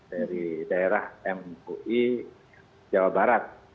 dari daerah mui jawa barat